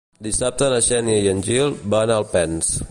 Dissabte na Xènia i en Gil van a Alpens.